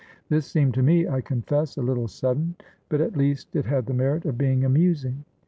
This seemed to me, I confess, a little sudden, but at least it had the merit of being amusing.